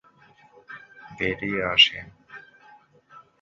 শিক্ষাবিদ হিসেবে তিনি পেশাদার জীবন থেকে বেরিয়ে আসেন।